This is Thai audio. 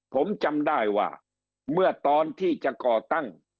ผมจำได้ว่าเมื่อตอนที่จะก่อตั้ง